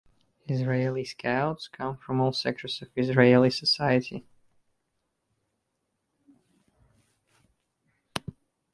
Israeli Scouts come from all sectors of Israeli society.